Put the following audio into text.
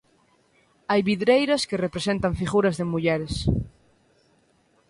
Hai vidreiras que representan figuras de mulleres.